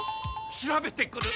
調べてくる！